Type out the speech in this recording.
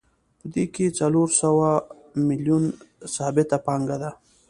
په دې کې څلور سوه میلیونه ثابته پانګه ده